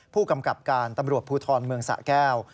ผู้กำกับการตำรวจภูทรเมืองสะแก้ว